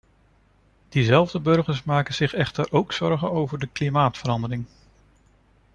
Diezelfde burgers maken zich echter ook zorgen over de klimaatverandering.